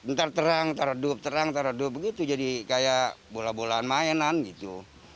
ntar terang ntar redup terang ntar redup begitu jadi kayak bola bolaan mainan gitu